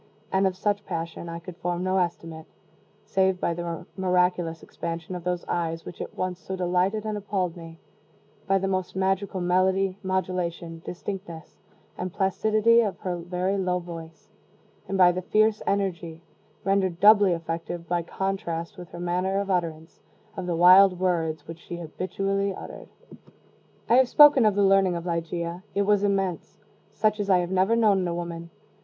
And of such passion I could form no estimate, save by the miraculous expansion of those eyes which at once so delighted and appalled me, by the almost magical melody, modulation, distinctness, and placidity of her very low voice, and by the fierce energy (rendered doubly effective by contrast with her manner of utterance) of the wild words which she habitually uttered. I have spoken of the learning of Ligeia: it was immense such as I have never known in woman.